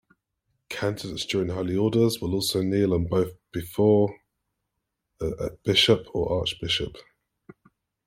Candidates during Holy Orders will also kneel on both before a bishop or archbishop.